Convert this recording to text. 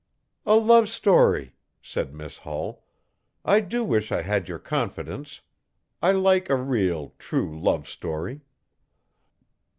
'A love story!' said Miss Hull. 'I do wish I had your confidence. I like a real, true love story.